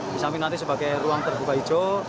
bisa nanti sebagai ruang terbuka hijau